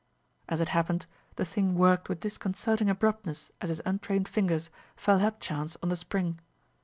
As it happened, the thing worked with disconcerting abruptness as his untrained fingers fell hapchance on the spring.